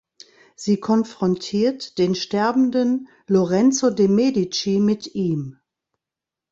Sie konfrontiert den sterbenden Lorenzo de' Medici mit ihm.